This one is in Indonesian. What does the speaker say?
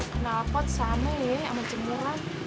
kenapot same ama cenguran